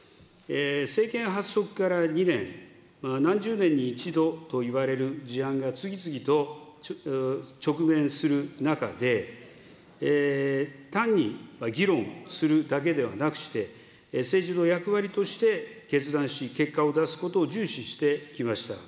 政権発足から２年、何十年に一度といわれる事案が次々と直面する中で、単に議論するだけではなくして、政治の役割として決断し、結果を出すことを重視してきました。